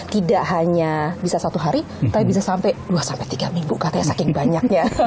tidak hanya bisa satu hari tapi bisa sampai dua tiga minggu katanya saking banyaknya